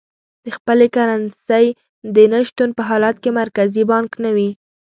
د خپلې کرنسۍ د نه شتون په حالت کې مرکزي بانک نه وي.